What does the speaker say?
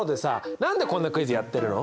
なんでこんなクイズやってるの？